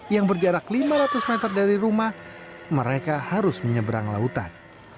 yang berjarak lima ratus meter dari rumah mereka harus menyeberang lautan